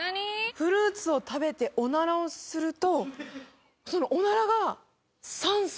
フルーツを食べておしっこをすると。